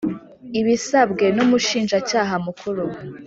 ibisabwe n Umushinjacyaha Mukuru